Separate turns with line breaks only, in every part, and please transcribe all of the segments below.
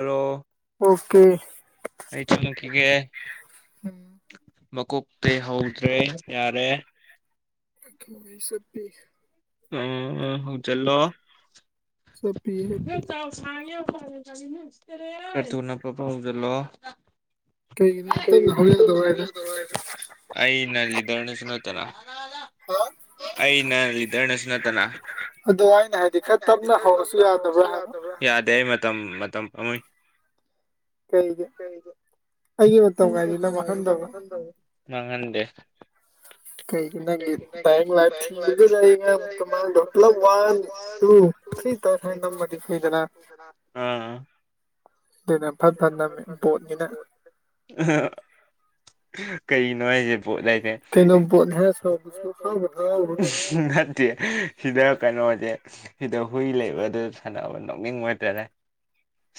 Hello
okay
ꯑꯩ ꯆꯪꯉꯥꯡꯈꯤꯒꯦ ꯃꯀꯣꯛꯇꯤꯏ ꯍꯧꯗ꯭ꯔꯦ ꯌꯥꯔꯦ
[unintelligible]
ꯑꯥ ꯍꯥꯎꯖꯤꯟꯂꯣ
ꯆꯠꯄꯤꯌꯦ
[unintelligible] ꯈꯔ ꯊꯨꯅ ꯐꯥꯠ ꯐꯥꯠ ꯍꯥꯎꯖꯤꯟꯂꫭ
ꯀꯩꯒꯤꯅꯣ
[unintelligible]
ꯇꯞꯅ ꯍꯧ ꯌꯥꯗꯕ꯭ꯔꯥ ꯍꯥꯏꯗ
ꯑꯩꯩꯅ ꯂꯤꯗꯔꯅꯦꯁꯨ ꯅꯠꯇꯅ ꯑꯩꯅ ꯂꯤ ꯗꯔꯅꯦꯁꯨ ꯅꯠꯇꯅ ꯍꯥꯏꯗꯤ ꯈꯔ ꯇꯞꯅ ꯍꯧꯔꯁꯨ ꯌꯥꯗꯕ꯭ꯔꯥ ꯌꯥꯗꯦ ꯑꯩ ꯃꯇꯝ ꯃꯇꯝ ꯄꯥꯝꯃꯨꯏ
ꯀꯩꯒꯤ ꯑꯩꯒꯤ ꯃꯇꯝ ꯀꯥꯏꯗꯤ ꯅꯪ ꯃꯥꯡꯍꯟꯗꯕ
[unintelligible] ꯃꯥꯡꯉꯟꯗꯦ
ꯀꯩꯒꯤ ꯅꯪꯗꯤ ꯗꯥꯏꯔꯦꯛ ꯂꯥꯠ ꯊꯤꯕꯗꯨꯗ [unintelligible] [unintelligible] ꯃꯇꯝ ꯃꯥꯡꯗꯥꯔꫭ ꯄꯨꯂꯥꯞ ꯋꯥꯟ ꯇꯨ ꯊꯔꯤ ꯇꯧꯔ ꯁꯨꯃꯥꯏ ꯇꯩꯔꯒꯥ ꯅꯥꯝꯃꯗꯤ ꯐꯩꯏꯗꯅ
ꯑꯥ
ꯑꯗꯨꯅ ꯐꯠꯟ ꯐꯠꯟ ꯅꯥꯝꯃꯦ ꯕꯣꯠꯅꯤꯅ
ꯀꯩꯅꯣ ꯍꯥꯏꯁꯦ
ꯀꯩꯅꯣ ꯕꯣꯠꯅꯤ ꯍꯥꯏꯔ ꯁꯥꯎꯕꯁꯨ ꯍꯔꯥꯎꯕꯨ ꯍꯔꯥꯎꯔꯨꯔ
[unintelligible] ꯁꯤꯗ ꯀꯩꯅꯣꯖꯦ ꯁꯤꯗ ꯍꯨꯏ ꯂꯩꯕꯗ ꯁꯥꯟꯅꯕ ꯅꯣꯛꯅꯤꯡꯕ ꯍꯥꯏꯇꯥꯔꯦ꯫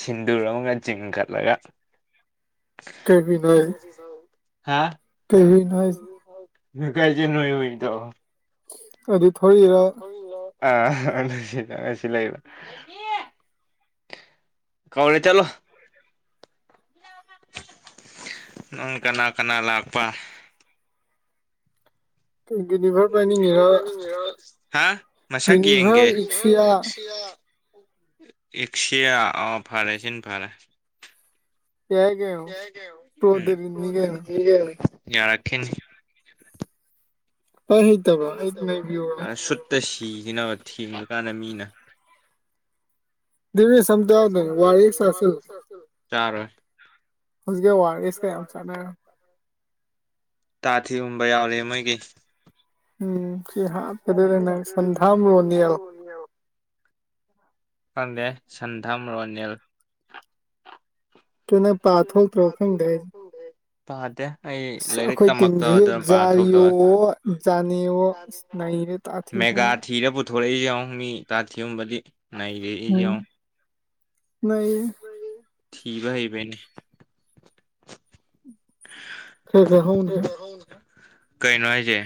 ꯁꯤꯟꯗꯨꯔ ꯑꯃꯒ ꯆꯤꯡꯈꯠꯂꯒ
ꯀꯩꯅꯣ ꯀꯩ ꯍꯨꯏꯅꯣ ꯍꯥꯏꯁꯦ
ꯍꯥ
ꯀꯩ ꯍꯨꯏꯅꯣ ꯍꯥꯏꯖꯦ
[unintelligible]
ꯑꯕꯦꯊꯣꯏ
[unintelligible] ꯀꯧꯔꯦ ꯆꯠꯂꯣ ꯅꯪ ꯀꯅꯥ ꯀꯅꯥ ꯂꯥꯛꯄ
ꯌꯨꯅꯤꯚꯔ ꯄꯥꯏꯅꯤꯡꯉꯤꯔꯣ
ꯍꯥ ꯃꯁꯛ ꯌꯦꯡꯒ‌ꯦ
ꯌꯨꯅꯤꯚꯔ ꯏꯛꯁꯤꯌꯥ
ꯏꯛꯁꯤꯌꯥ ꯑꯣ ꯐꯔꯦ ꯁꯤꯅ ꯐꯔꯦ
[unintelligible] ꯄ꯭ꯔꯣꯗꯔꯤꯅꯤ ꯀꯩꯅꯣ
ꯌꯥꯔꯛꯈꯤꯅꯤ
ꯄꯥꯏ ꯍꯩꯇꯕꯔꯣ ꯑꯩ [unintelligible]
ꯇ ꯁꯤꯈꯤꯅꯕ ꯊꯦꯡꯉꯀꯥꯟꯗ ꯃꯤꯅ
[unintelligible]
ꯆꯥꯔ‌ꯣꯏ
ꯍꯧꯖꯤꯛ ꯋꯥꯔꯦꯁ ꯀ ꯌꯥꯝ ꯆꯥꯟꯅꯔꯦ
ꯇꯥ ꯊꯤꯍꯨꯝꯕ ꯌꯥꯎꯔꯦ ꯃꯣꯏꯒꯤ
ꯎꯝ ꯁꯤ ꯍꯥꯞꯄꯗꯗ ꯅꯪ ꯁꯟꯊꯥꯝ ꯔꯣꯅꯤꯜ
ꯈꯪꯗꯦ ꯁꯟꯙꯝ ꯔꯣꯅꯤꯜ
ꯇꯨ ꯅꯪ ꯄꯥ ꯊꯣꯛꯇ꯭ꯔꯣ ꯈꯪꯗꯦ ꯍ‌ꯦ
ꯄꯥꯗꯦ ꯑꯩ
ꯑꯁ
ꯂꯥꯏꯔꯤꯛ
ꯑꯩꯈꯣꯏ ꯇꯤꯝꯖꯤ
ꯇꯝꯃꯛꯇꯕꯗꯨꯅ ꯄꯥꯗꯦ
ꯖꯔꯤꯌꯣ ꯖꯅꯤꯌꯣ ꯍ‌ꯣ ꯅꯩꯔ‌ꯦ
ꯃꯦꯒꯥ
[unintelligible]
ꯊꯤꯔ ꯄꯨꯊꯣꯔꯛꯏꯁꯦ ꯌꯦꯡꯎ ꯃꯤ ꯇꯥꯊꯤꯍꯨꯝꯕꯗꯤ
ꯎꯝ ꯅꯩꯔ‌ꯦ
ꯊꯤꯕ ꯍꯩꯕꯩꯅꯦ
[unintelligible]
ꯀꯩꯅꯣ ꯍꯥꯏꯁꯦ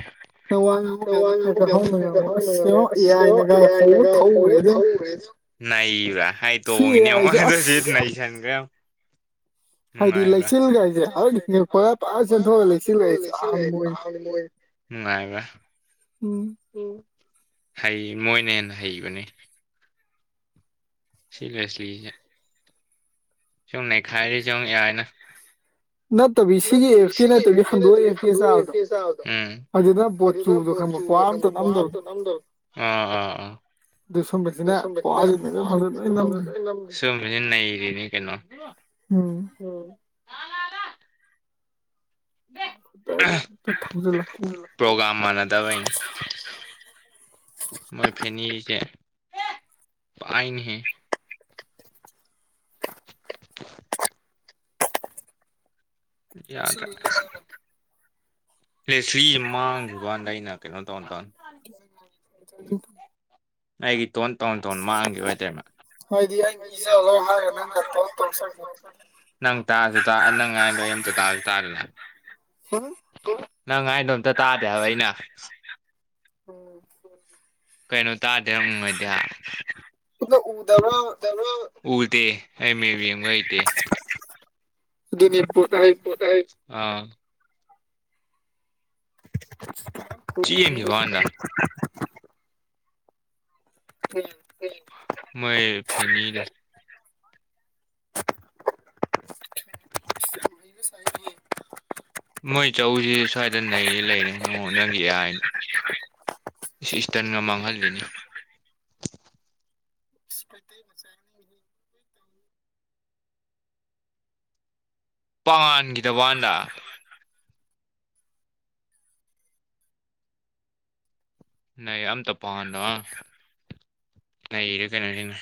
ꯅꯪ ꯋꯥ ꯉꯥꯡꯕ
ꯅꯪ ꯋꯥ
ꯀꯥꯟꯗ ꯈꯔ
ꯉꯥꯡꯕ
ꯈꯔ ꯍꯧꯅ ꯉꯥꯡꯉꯣ ꯑꯁ ꯌꯦꯡꯉꯣ ꯑꯦ ꯑꯥꯏꯅꯒ ꯍꯧꯕ ꯊꯧꯔꯦꯗ ꯌꯦꯡꯉꯣ
[unintelligible] ꯅꯩꯕ꯭ꯔꯥ ꯍꯥꯏ
ꯁꯤ
ꯇꯣꯡꯉꯤꯅꯦ
ꯑꯦ
ꯌꯦꯡꯉꯨ
ꯑꯥꯏꯁꯦ
ꯑꯁꯤ
ꯑꯁ
ꯅꯩꯁꯟꯈ꯭ꯔꯦ ꯌꯦꯡꯉꯣ
ꯍꯥꯏꯗꯤ
ꯅꯨꯡꯉꯥꯏꯕ꯭ꯔ
ꯂꯩꯆꯤꯜꯒꯥꯏꯁꯦ ꯍꯦꯛ ꯍꯤꯡꯉꯛꯄꯒ ꯄꯨꯔꯥ ꯆꯦꯟꯊꯣꯛꯑꯒ ꯂꯩꯆꯤꯜꯒꯥꯏꯁꯦ ꯆꯥꯕꯅꯤ ꯃꯣꯏ
ꯅꯨꯡꯉꯥꯏꯕ꯭ꯔ
ꯎꯝ
ꯍꯩ ꯃꯣꯏꯅ ꯍꯦꯟꯅ ꯍꯩꯕꯅꯤ ꯁꯤ ꯂ‌ꯦꯁꯂꯤꯁ‌ꯦ ꯁꯨꯝ ꯅꯩꯈꯥꯏꯔꯤꯁ‌ꯦ ꯌ‌ꯦꯡꯉꯨ ꯑꯦ ꯑꯥꯏ ꯅ
ꯁꯤꯒꯤ
ꯅꯠꯇꯕꯤ
ꯑꯦꯐꯀꯤ
ꯁꯤꯒꯤ ꯑꯦꯑꯐꯀꯦ
ꯍꯟꯗꯣꯛꯑ
ꯅꯠꯇꯕꯤ [unintelligible]
ꯑꯦꯐꯀꯤ
ꯆꯥꯕꯗꯣ
ꯑꯗꯨꯗ
ꯑꯗꯨꯗꯅ
ꯕꯣꯠꯆꯨꯗꯣ
ꯄꯣꯠ
ꯈꯪꯕ
ꯆꯨꯗꯣ
ꯄꯋꯥ ꯑꯝꯇ
ꯈꯪꯉ
ꯅꯝꯗꯕꯗꯣ
[unintelligible] ꯑ ꯑ ꯑ
ꯗꯨ ꯁꯨꯝꯕ
ꯗꯨ ꯁꯨꯝꯕꯁꯤꯅ [unintelligible] ꯅꯩꯔꯤꯅꯤ ꯀꯩꯅꯣ
ꯎꯝ ꯊꯥꯎꯖꯟ ꯂꯥꯛꯀꯤ
ꯄ꯭ꯔꯣꯒꯥꯝ ꯃꯥꯟꯅꯗꯕꯩꯅꯤ ꯃꯣꯏ ꯐꯦꯅꯤꯁꯦ ꯄꯥꯏꯅ‌ꯦꯍꯦ ꯌꯥꯗꯔꯦ
ꯆꯥꯁꯤꯜꯂꯨꯏꯅꯦ ꯅꯪꯅ
[unintelligible] ꯂꯦꯁꯂ꯭ꯤꯁꯤ ꯃꯥꯡꯈꯤꯕꯥꯋꯟꯗ ꯑꯩꯅ ꯀꯩꯅꯣ ꯇꯧ ꯇꯧꯅ
[unintelligible]
ꯑꯩꯒꯤ ꯇꯣꯟ ꯇꯣꯟ ꯇꯣꯟ ꯃꯥꯡꯈꯤꯕ ꯍꯥꯏꯇꯥꯔꯦꯃ
[unintelligible] ꯆꯠꯈꯤꯅꯤ
ꯅꯪ ꯇꯥꯁꯨ ꯇꯥ ꯅꯪ ꯉꯥꯡꯏꯗꯣ ꯑꯩ ꯑꯝꯇ ꯇꯥꯁꯨ ꯇꯥꯗꯅ ꯅꯪ ꯍꯥꯏꯗꯣ ꯑꯝꯇ ꯇꯥꯗꯦ ꯍꯥꯏꯕ ꯑꯩꯅ
ꯎꯝ
ꯀꯩꯅꯣ ꯇꯥꯗ‌ꯦ ꯍꯥꯏꯔ ꯎꯪ ꯍꯥꯏꯗꯤ
ꯈꯨꯠꯅ ꯎꯗꯕ꯭ꯔꯥ
ꯎꯗꯦ ꯑꯩ ꯃꯦꯞ ꯌꯦꯡꯕ ꯍꯩꯇꯦ
ꯑꯗꯨꯅꯤ ꯕꯣꯠ ꯍꯥꯏ
ꯑꯥ
[unintelligible] ꯃꯤ
ꯆꯦꯟꯈꯤꯕ ꯋꯥꯅꯤꯗ
ꯎ
ꯃꯣꯏ ꯐꯅꯤ ꯃꯣꯏ ꯆꯧꯁꯤ ꯁ꯭ꯋꯥꯏꯗ ꯅꯩꯌꯦ ꯂꯩꯔꯦ ꯅꯛ ꯅꯪꯒꯤ ꯍꯥꯏꯅ
[inaudible]
ꯏꯁꯇꯔꯟꯒ ꯃꯥꯡꯍꯜꯂꯤꯅꯤ
ꯁꯣꯏ ꯇ
ꯄꯥꯉꯥꯟꯈꯤꯗꯕꯥꯟꯗ ꯅ ꯑꯝꯇ ꯄꯥꯟꯗꯣꯪ ꯅꯔꯦ ꯀꯩꯅꯣꯁꯤꯅ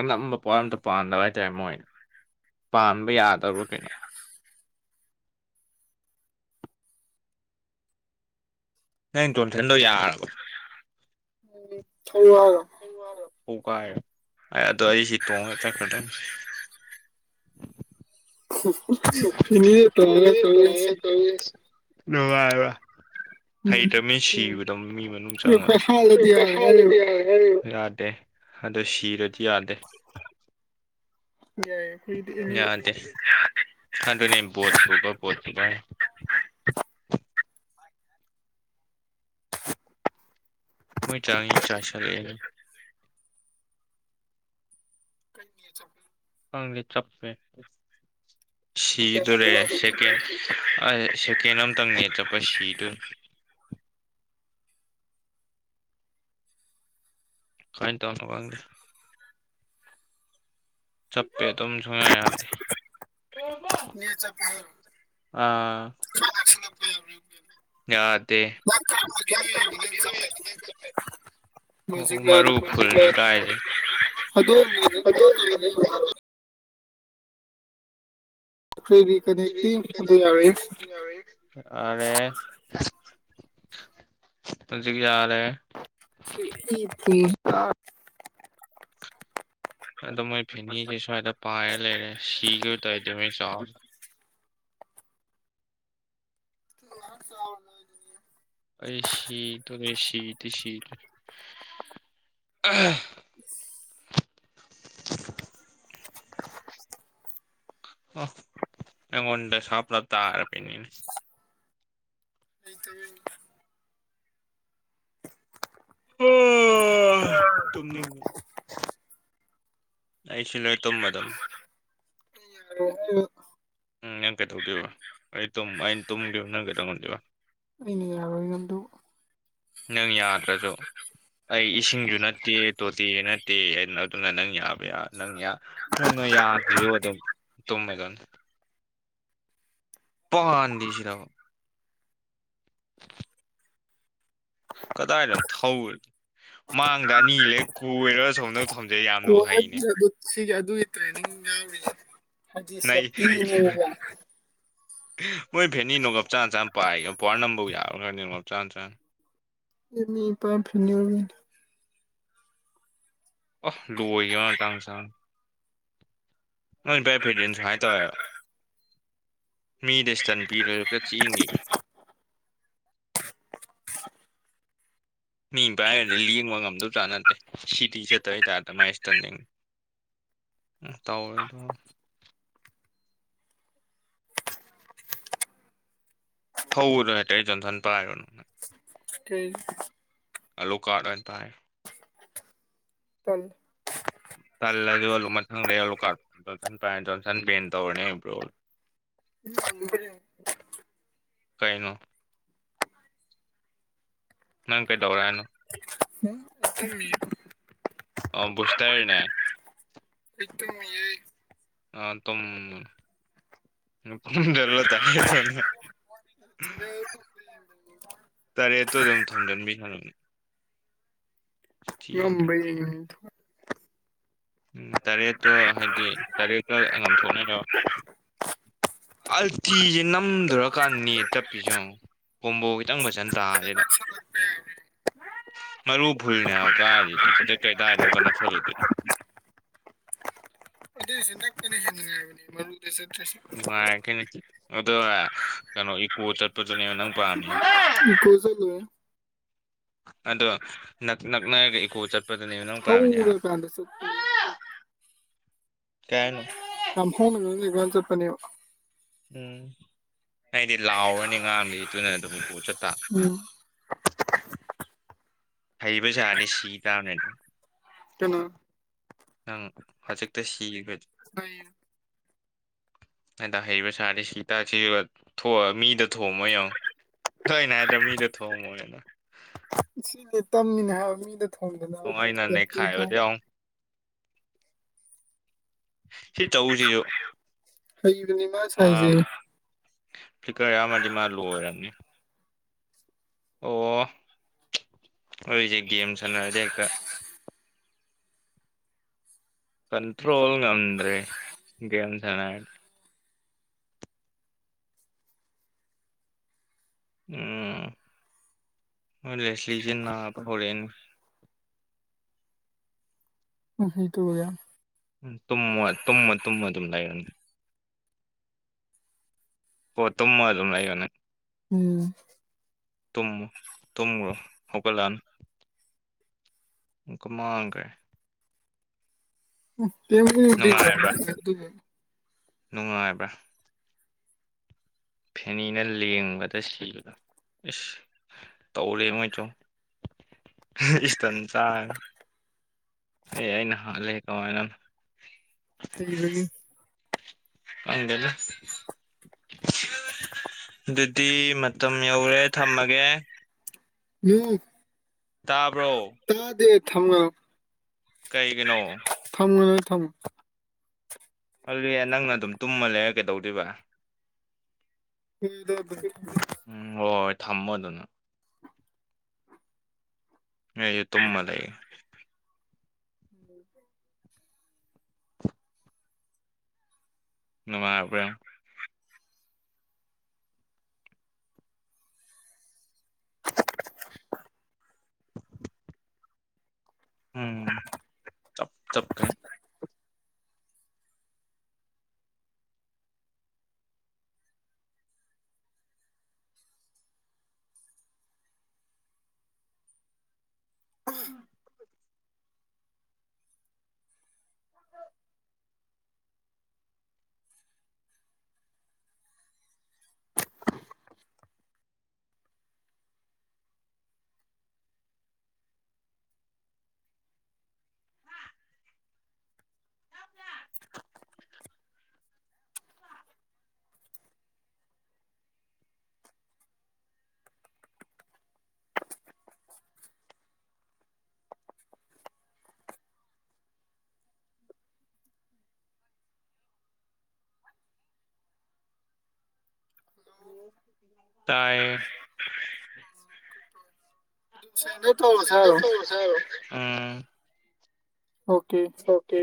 ꯑꯅꯝꯕ ꯄꯣꯠ ꯑꯝꯇ ꯄꯥꯟꯗꯕ ꯍꯥꯏꯇꯥꯔꯦ ꯃꯣꯏ ꯄꯥꯟꯕ ꯌꯥꯗꯕꯔꯥ ꯀꯩꯅꯣ ꯅꯪ ꯅꯇꯣꯝꯊꯅꯗꯧ ꯌꯥꯔꯕꯣ
ꯎ ꯊꯔꯒ
ꯥꯏ ꯑꯗꯣ ꯑꯩ ꯁꯤ ꯇꯣꯡꯉꯦ ꯆꯠꯈ꯭ꯔꯗ
ꯃꯤ ꯇ ꯇꯧꯁꯤ
ꯑ ꯋꯥ ꯋꯥ
ꯎꯝ
ꯍꯩꯇ꯭ꯔꯃꯤ ꯁꯤꯕꯗ ꯃꯤ ꯃꯅꯨꯡ
ꯑꯗꯨ
ꯆꯪꯉꯦ
ꯑꯩꯈꯣꯏ ꯍꯥꯠꯂꯗꯤ ꯌꯥꯔꯦ ꯍꯥꯏꯔꯤꯕ
ꯌꯥꯗꯦ ꯑꯗꯨꯗꯣ ꯁꯤꯤꯔꯗꯤ ꯌꯥꯗꯦ
[inaudible] [inaudible] ꯌꯥꯏ ꯑꯩꯈꯣꯏꯒꯤꯗꯤ ꯑꯦꯅꯤ
ꯌꯥꯗꯦ ꯑꯗꯨ ꯑꯗꯨꯅꯦ ꯣꯠ ꯁꯨꯕ ꯣꯠ ꯁꯨꯕ ꯃꯣꯏ ꯆꯥꯡꯉ ꯆꯥ ꯆ ꯂꯩꯔꯦ
ꯀꯩꯅꯤ ꯆ
ꯆꯞꯄꯦ ꯁꯤꯗꯨꯔꯦ ꯁꯦꯀꯦꯟ ꯑ ꯁꯦꯀꯦꯟ ꯑꯇꯪꯅꯦ ꯆꯠꯄ ꯁꯤꯗꯨ ꯀꯥꯏ ꯇ ꯋꯥꯅꯣ ꯋꯥꯗꯦ ꯆꯠꯄꯦ ꯑꯗꯨꯝ ꯁꯨꯡꯉꯥꯏ ꯌꯥꯗꯦ ꯑꯥ ꯌꯥꯗ ꯑꯣ ꯃꯔꯨ ꯐꯨꯜꯁꯦ ꯀꯥꯏꯁꯦ
ꯈ꯭ꯔꯦ ꯔꯤꯀꯅꯦꯛꯇꯤ ꯑꯗꯨ ꯌꯥꯔꯦ
ꯌꯥꯔꯦ ꯍꯧꯖꯤꯛ ꯌꯥꯔꯦ
[inaudible] [inaudible]
ꯑꯗꯣ ꯃꯣꯏ ꯐꯦꯅꯤꯁꯦ ꯁꯨꯋꯥꯏꯗ ꯄꯥꯏꯔ ꯂꯩꯔꯦ ꯁꯤꯈꯤꯕ ꯑꯣꯏ ꯇꯔꯗꯤ ꯃꯣꯏ ꯆꯥꯎ
ꯆꯥꯎꯗꯨ
ꯑꯩ ꯇꯅꯦꯁꯤꯠꯠ ꯑꯣꯉꯟ ꯁꯄꯂ ꯇ ꯍꯥꯏꯔ ꯄꯩꯅꯅꯤ
ꯑꯩ ꯇꯕꯨ
ꯑꯣ ꯇ ꯑꯩ ꯁꯤꯂ ꯇꯝꯕ ꯑꯗꯨꯝ
[inaudible]
ꯅꯪ ꯀꯩꯗꯧꯗꯦꯕ ꯑꯩ ꯑꯩꯅ ꯇꯨꯝꯈꯤꯕꯈꯤꯕ ꯅꯪ ꯀꯩꯗꯧ ꯉꯝꯗꯦꯕ
ꯑꯩꯅ ꯌꯥꯔꯣꯏꯒꯗꯨ
ꯅꯪ ꯌꯥ ꯑꯗ꯭ꯔꯁꯨꯣ ꯑꯩ ꯏꯁꯤꯡꯁꯨ ꯅꯠꯇꯦ ꯇꯣꯇꯤ ꯅꯠꯇꯦ ꯍꯥꯏꯅ ꯑꯗꯨꯅ ꯅꯪ ꯌꯥꯕ ꯅꯪ ꯌꯥ ꯅꯪ ꯌꯥꯈꯤꯌꯨ ꯑꯗꯨꯝ ꯇꯨꯝꯃꯦ ꯒ ꯄꯥꯟꯗ‌ꯦ ꯁꯤꯔꯕ [inaudible] ꯀꯗꯥꯏꯗꯅ ꯊꯧꯔꯒꯦ ꯃꯥꯡꯗ ꯑꯅꯤ ꯂꯩꯔꯒ ꯀꯣꯏꯔꯒ ꯁꯣꯝꯗ ꯊꯝꯖꯩ ꯌꯥꯝꯅ
ꯍ
ꯍꯩꯅꯦ
ꯑꯗꯨ ꯑꯗꯨ ꯁꯤꯒꯤ ꯑꯗꯨꯒꯤ ꯇ꯭ꯔꯦꯅꯤꯡ ꯌꯥꯎꯔꯤ [inaudible] ꯑꯩꯗꯤ
ꯅꯩ
ꯁ‌ꯦꯞꯇꯤꯅ‌ꯦꯕ
ꯃꯣꯏ ꯐꯦꯅꯤ ꯅꯣꯡꯉꯞ ꯆꯥ ꯆꯥꯅ ꯄꯥꯏꯒ ꯄꯋꯥꯔ ꯅꯝꯕꯕꯨ ꯌꯥꯕ‍꯭ꯔꯅ‌ꯦ ꯅꯣꯛ ꯆꯥꯟ ꯆꯥꯅ
ꯅꯤ ꯄꯥꯏ ꯐꯤꯅꯤ ꯑꯣꯏꯒ [inaudible]
ꯑꫭ ꯂꯣꯏꯒꯤꯑꫭ ꯃꯇꯥꯡꯆꯥꯅ ꯑꯩꯅ ꯄꯥꯏ ꯐꯦꯔꯗꯤꯟ ꯁꯨꯃꯥꯏꯅ ꯇꯧꯌ‌ꯦꯕꯥ ꯃꯤꯗ ꯏꯁꯇꯟ ꯄꯤꯔꯒ ꯆ‌ꯦꯟ ꯒꯤꯕ ꯃꯤ ꯄꯥꯏꯒꯗꯤ ꯂꯦꯡꯕ ꯉꯝꯗꯕ ꯆꯥꯠ ꯅꯠꯇꯦ ꯁꯤꯇꯤ ꯆꯠꯇꯕꯩꯇꯥꯥꯏꯇ ꯃꯥꯏꯁꯇꯟꯅꯤꯡ ꯎꯝ ꯇꯧꯔ‌ꯦꯗ‌ꫭ ꯊꯧꯕꯖꯨ ꯍꯩꯇꯦ ꯖꯣꯟꯊꯟ ꯄꯔꯥꯏꯒꯅꯨꯅꯦ
[inaudible]
ꯑꯜꯂꯨꯀꯠ ꯑꯣꯏꯅ ꯄꯥꯏꯔ‌ꯥ
ꯇꯜꯂ‌ꯦ
ꯇꯜꯂꯖꯨ ꯃꯊꯪꯗꯩ ꯑꯂꯨꯀꯥꯠ ꯖꯣꯟꯁꯟ ꯄꯥꯏꯔꯅꯤ ꯖꯣꯟꯁꯟ ꯄꯦꯟ ꯇꯧꯔꯅꯤ ꯕ꯭ꯔ‌ꫭꯜ [inaudible]
[inaudible]
ꯀꯩꯅꯣ ꯅꯪ ꯀꯩꯗꯧꯔ ꯍꯥꯏꯅꯣ
ꯑꯩ
ꯑꯣ ꯕꯨꯁꯇꯔꯅꯦ
ꯑꯩ ꯇꯨꯝꯃꯤꯌ‌ꯦ
ꯑꯥ ꯇꯨꯝꯃꯨ ꯅꯪ ꯐꯥꯎꯗꯂꯣ ꯇꯥꯏꯦ ꯊ [inaudible] ꯇꯔꯦꯠꯇꯣ ꯑꯗꯨꯝ ꯊꯣꯝꯖꯤꯟꯕꯤ ꯁꯥꯟꯅꯩ ꯃꯤ...
ꯉꯝꯕ꯭ꯔꯥ ꯌ‌ꯦꯡꯒ‌ꯦꯅ‌ꯦ ꯊꯨꯒꯥꯏ
ꯎꯝ ꯇꯔꯦꯠꯇꯣ ꯍꯥꯏꯗꯤ ꯇꯔꯦꯠꯇ‌ꫭ ꯉꯝ ꯊꯣꯛꯅꯔꯣ ꯑꯜꯇꯤꯖ‌ꯦ ꯅꯝꯗ‌ꫭꯔꯀꯥꯟ ꯅ‌ꯦꯠ ꯆꯞꯄꯤꯖ‌ꯦꯌ‌ꯦꯡꯎ ꯀꯣꯝꯕꯣ ꯈꯤꯇꯪ ꯐꯖꯅ ꯇꯥꯔꯦꯗ ꯃꯔꯨ ꯐꯨꯜꯅꯦ ꯍꯥꯏꯕꯀꯥꯁꯤꯗꯤ ꯁꯤꯗ ꯀꯗꯥꯏꯅꯣ ꯅꯛꯁꯜꯂꯨꯗꯦꯅꯦ
ꯑꯗꯨꯗꯤ ꯆꯟ ꯇ ꯀ ꯑꯣꯏꯅꯅꯦ ꯍꯅꯤꯡꯉꯥꯏ [inaudible] ꯎꯁꯦꯠꯇꯁꯦ [inaudible]
ꯅꯨꯡꯉꯥꯏꯔꯈꯤꯅꯤ ꯑꯗꯣ ꯀꯩꯅꯣ ꯏꯀꯣ ꯆꯠꯄꯗꯨꯅꯦꯕ ꯅꯪ ꯄꯥꯝꯃꯤꯖ‌ꯦ
ꯏꯀ‌ꫭ ꯆꯠꯂ‌ꫭꯏꯌ‌
ꯑꯗꯣ ꯅꯛ ꯅꯛꯅꯒ ꯏ ꯀꯣ ꯆꯠ ꯆꯠꯄꯗꯨꯅꯦꯕ ꯅꯪ ꯄꯥꯝꯃꯤꯖ‌ꯦ
ꯍꯧꯔꯀꯥꯟꯗ ꯆꯠꯄꯅꯦ
ꯀꯩꯅꯣ ꯍꯥꯏꯅ‌ꫭ
ꯌꯥꯝ ꯐꯣꯡꯅ ꯆꯠꯄꯅꯦ [inaudible]
ꯎꯝ ꯑꯩꯗꯤ ꯂꯥꯎꯔꯅꯤ ꯉꯥꯡꯂꯤ ꯑꯗꯨꯅ ꯑꯗꯨꯝ ꯏꯀꯣ ꯆꯠꯇ
ꯎꯝ
ꯍꯩꯕ ꯁꯥꯅꯤꯗꯤ ꯁꯤ ꯇꯥꯅꯦ ꯑꯗꯨꯣ
ꯀꯩꯅꯣ
ꯅꯪ ꯍꯧꯖꯤꯛꯇ ꯁꯤꯕ
ꯍ [inaudible]
ꯍꯗ ꯍꯩꯔꯤꯕ ꯁꯥꯔꯗꯤ ꯁꯤꯇꯥꯛꯁꯤ ꯊꯣꯛꯑꯒ ꯃꯤꯗ ꯊꯣꯝꯃꯣꯏ ꯌꯦꯡꯉꯣ ꯇ‌ꫭ ꯑꯩꯅ ꯍꯥꯏꯗ ꯃꯤꯗ ꯊꯣꯡꯑꯝꯃꯣꯏꯅ
ꯁꯤꯅꯤ ꯇꯝꯃꯤꯅꯦ ꯍꯥꯏꯕ ꯃꯤꯅ ꯊꯣꯡꯗꯅꯕ
ꯑꯩꯅ ꯅꯩꯈꯥꯏꯕꯗ
ꯍꯥꯏꯗꯤꯀ‌ꫭ
ꯌꯦꯡꯉꯣ ꯁꯤ ꯆꯧꯁꯤꯁꯨ
ꯍꯩꯕꯅꯤ ꯃꯥꯅ ꯁꯥꯏꯖ‌ꯦ
ꯐꯤꯛꯀꯔ ꯌꯥꯝꯃꯗꯤ ꯃꯥ ꯂꯣꯏ ꯔꯕꯅꯤ ꯑꯣ ꯑꯩꯏꯁꯦ ꯒꯦꯝ ꯁꯥꯟꯅꯔꯗꯤ ꯍꯦꯛꯇ ꯀꯟꯇ꯭ꯔꯣꯜ ꯉꯟ꯭ꯔꯔꯤ ꯦꯝꯁ ꯍꯅ ꯎꯝ ꯍ ꯂꯁꯂꯤꯁꯤꯦ ꯅꯅꯥ ꯍꯔꯦꯟꯅꯤ
ꯎ ꯍ ꯇꯒ
ꯎꯝ ꯇꯨꯝꯃ ꯇꯨꯝꯃ ꯇꯨꯝꯃ ꯑꯗꯨꯝ ꯂꯩꯒꯅꯤ ꯄꯣꯠ ꯇꯨꯝꯃ ꯑꯗꯨꯝ ꯂꯩꯌꯣ ꯅꯪ
ꯎꯝ
ꯇꯨꯝꯃ ꯇꯨꯝꯃ꯭ꯔꯣ ꯍꯧꯒꯂꯥꯟ ꯏꯀ ꯃꯥ ꯏꯪꯀꯥꯏ ꯅꯨꯡꯉꯥꯏꯕ꯭ꯔꯥ
[unintelligible]
ꯅꯨꯡꯉꯥꯏꯕ꯭ꯔꯥ ꯐꯦꯅꯤꯅ ꯂꯦꯡꯕꯗ ꯁꯤꯕꯗ ꯏꯁꯁ ꯇꯧꯔꯦ ꯃꯣꯏꯁꯨꯣ ꯏꯁꯟ ꯆ ꯑꯦ ꯑꯩꯅ ꯍꯂꯦ ꯀꯃꯥꯏꯅ
ꯊ ꯂꯩ
ꯀꯗ ꯑꯗꯨꯗꯤ ꯃ ꯃꯇꯝ ꯌꯧꯔꯦ ꯊꯝꯃꯒꯦ
ꯎ
ꯇꯥꯕ꯭ꯔꯣ
ꯇꯗ ꯊ
ꯀꯩꯒꯤꯅꯣ
ꯊꯝꯃꯃꯦ ꯊꯝꯃꯣ
ꯍ ꯅꯪꯅ ꯑꯗꯨꯝ ꯇꯨꯝꯃ ꯂꯩꯔꯛꯀꯦꯗꯧꯔꯤꯕ
ꯍꯗ ꯊ
ꯎꯝ ꯍꯣꯏ ꯍꯣꯏ ꯊꯝꯃꯣ ꯑꯗꯨꯅ ꯑꯩꯁꯨ ꯇꯨꯝꯃ ꯂꯩ
ꯎꯝ
ꯅꯨꯡꯉꯥꯏꯕ꯭ꯔꯣ ꯎꯝ ꯆꯞ ꯆꯞ ꯀꯩ ꯎꯝ ꯇꯌꯦ
ꯁꯦꯡꯗꯣ ꯇꯧꯔꯁꯦ ꯍꯥꯏꯔꯣ
ꯊꯔꯁ ꯎꯝ
ꯑꯣꯀꯦ
ꯑꯣꯀꯦ